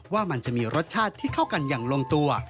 ว่ามันจะมีรสชาติที่เข้ากันอย่างลงตัว